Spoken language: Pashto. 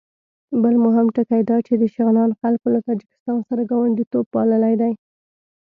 بل مهم ټکی دا چې د شغنان خلکو له تاجکستان سره ګاونډیتوب پاللی دی.